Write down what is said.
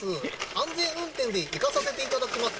安全運転で行かさせていただきます